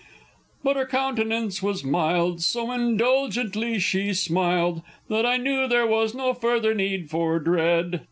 But her countenance was mild so indulgently she smiled That I knew there was no further need for dread!